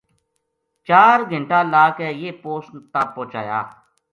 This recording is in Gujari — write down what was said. چار گھنٹا لا کے یہ پوسٹ تا پوہچایا